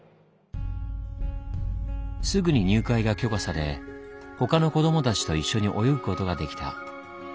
すぐに入会が許可されほかの子供たちと一緒に泳ぐことができた。